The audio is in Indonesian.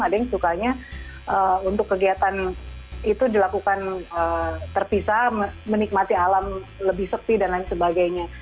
ada yang sukanya untuk kegiatan itu dilakukan terpisah menikmati alam lebih sepi dan lain sebagainya